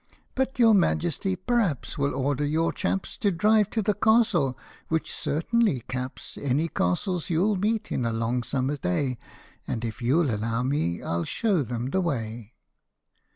But your Majesty, p'rhaps, Will order your chaps To drive to the castle, which certainly caps Any castles you'll meet in a long summer day; And, if you '11 allow me, 1 11 show them the way."